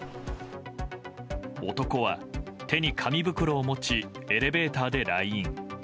男は手に紙袋を持ちエレベーターで来院。